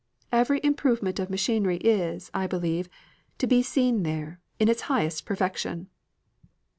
Every improvement of machinery is, I believe, to be seen there, in its highest perfection."